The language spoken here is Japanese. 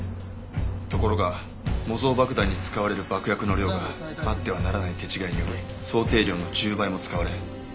ところが模造爆弾に使われる爆薬の量があってはならない手違いにより想定量の１０倍も使われ。